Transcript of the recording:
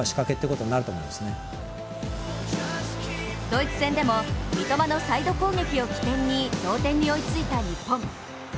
ドイツ戦でも、三笘のサイド攻撃を起点に同点に追いついた日本。